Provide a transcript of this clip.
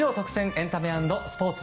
エンタメ＆スポーツ。